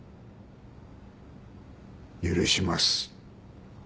許します。